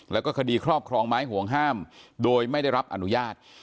แล้วก็คดีครอบครองไม้ห่วงห้ามโดยไม่ได้รับอนุญาต